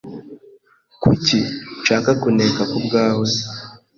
Kuki nshaka kuneka kubwawe?